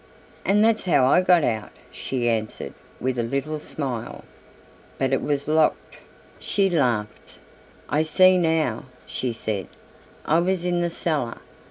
"And that's how I got out," she answered, with a little smile. "But it was locked." She laughed. "I see now," she said; "I was in the cellar.